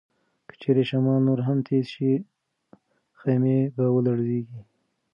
که چیرې شمال نور هم تېز شي، خیمې به ولړزيږي.